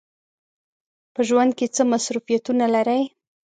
په ژوند کې څه مصروفیتونه لرئ؟